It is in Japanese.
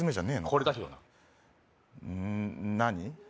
これだけどなうん何？